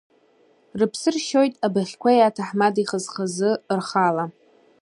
Рыԥсы ршьоит абыӷьқәеи аҭаҳмадеи хаз-хазы рхала…